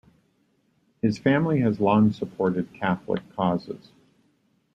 His family had long supported Catholic causes.